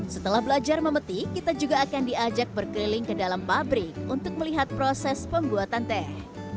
setelah belajar memetik kita juga akan diajak berkeliling ke dalam pabrik untuk melihat proses pembuatan teh